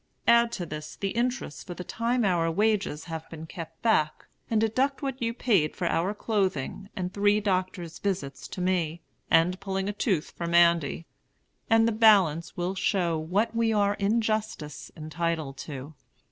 Add to this the interest for the time our wages have been kept back, and deduct what you paid for our clothing, and three doctor's visits to me, and pulling a tooth for Mandy, and the balance will show what we are in justice entitled to.